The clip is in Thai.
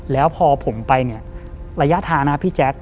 แล้วพอผมไประยะทางนะพี่แจ๊ก